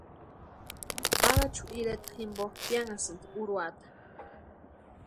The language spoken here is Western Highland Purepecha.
Pʼarachu ireta jimpo pianhasïnti urhuata.